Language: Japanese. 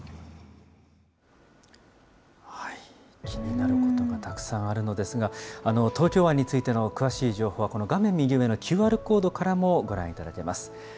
気になることがたくさんあるのですが、東京湾についての詳しい情報は、この画面右上のＱＲコードからもご覧いただけます。